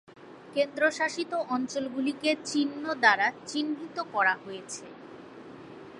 কেন্দ্রশাসিত অঞ্চলগুলিকে চিহ্ন দ্বারা চিহ্নিত করা হয়েছে।